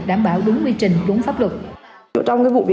đảm bảo đúng nguy trình đúng pháp luật